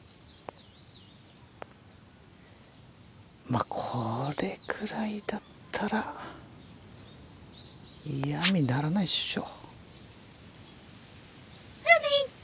まあこれぐらいだったら嫌みにならないっしょ。